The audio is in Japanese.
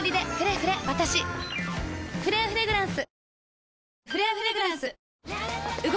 「フレアフレグランス」